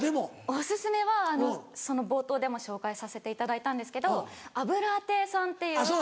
お薦めは冒頭でも紹介させていただいたんですけどあぶら亭さんっていう。